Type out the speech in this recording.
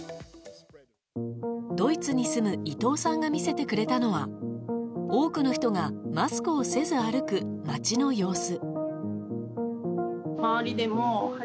ドイツに住む伊藤さんが見せてくれたのは多くの人がマスクをせず歩く街の様子。